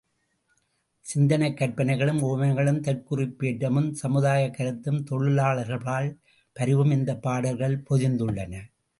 சிறந்த கற்பனைகளும் உவமைகளும் தற்குறிப் பேற்றமும் சமுதாயக் கருத்தும் தொழிலாளர்கள்பால் பரிவும் இந்தப் பாடல்களில் பொதிந்துள்ளன.